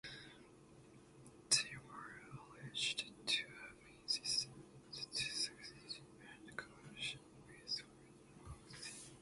They were alleged to have "incitement to secession and collusion with foreign forces".